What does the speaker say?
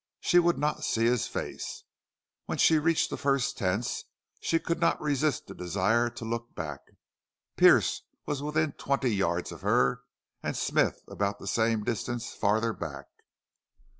She would not see his face. When she reached the first tents she could not resist the desire to look back. Pearce was within twenty yards of her and Smith about the same distance farther back.